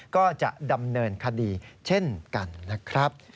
ก็จะดำเนินคดีเช่นกันนะครับ